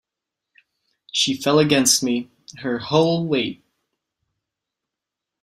She fell against me — her whole weight.